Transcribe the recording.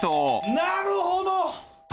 なるほど！